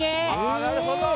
あなるほど。